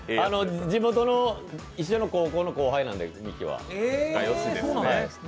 地元の一緒の高校の後輩なんでミキは。